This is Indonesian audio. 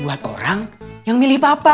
buat orang yang milih papa